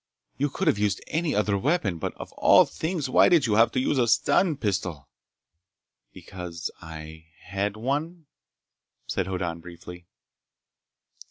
You could have used any other weapon, but of all things why did you have to use a stun pistol?" "Because I had one," said Hoddan briefly.